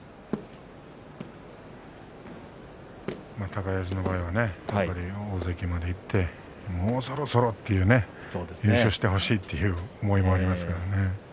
高安は大関までいってもうそろそろ優勝してほしいという思いもありますからね。